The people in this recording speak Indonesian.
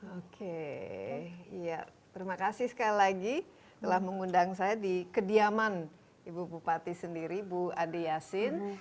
oke ya terima kasih sekali lagi telah mengundang saya di kediaman ibu bupati sendiri bu ade yasin